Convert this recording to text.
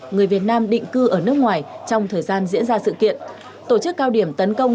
người việt nam định cư ở nước ngoài trong thời gian diễn ra sự kiện tổ chức cao điểm tấn công